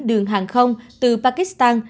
đường hàng không từ pakistan